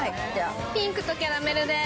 ピンクとキャラメルで。